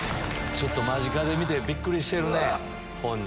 間近で見てびっくりしてるね本人。